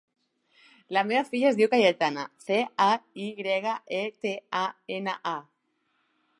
La meva filla es diu Cayetana: ce, a, i grega, e, te, a, ena, a.